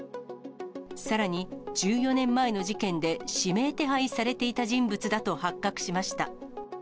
さらに、１４年前の事件で指名手配されていた人物だと発覚しました。